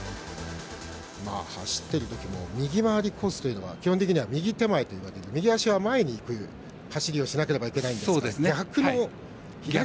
走ってるときも右回りコースというのは基本的には右手前ということで右足が前にいく走りをしなければいけないんですが逆の。